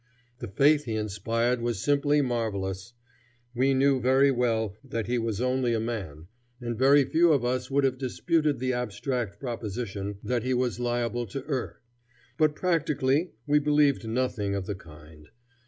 The faith he inspired was simply marvelous. We knew very well that he was only a man, and very few of us would have disputed the abstract proposition that he was liable to err; but practically we believed nothing of the kind.